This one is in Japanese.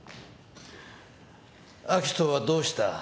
明人はどうした？